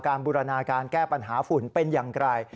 บูรณาการแก้ปัญหาฝุ่นเป็นอย่างไร